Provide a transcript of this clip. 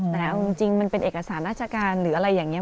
แต่เอาจริงมันเป็นเอกสารราชการหรืออะไรอย่างนี้